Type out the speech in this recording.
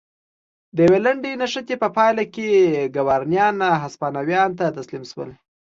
د یوې لنډې نښتې په پایله کې ګورانیان هسپانویانو ته تسلیم شول.